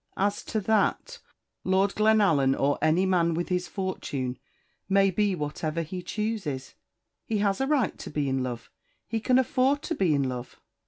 "As to that, Lord Glenallan, or any man with his fortune, may be whatever he chooses. He has a right to be in love. He can afford to be in love."